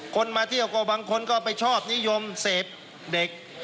คนมาเที่ยวก็บางคนก็ไปชอบนิยมเสพเด็ก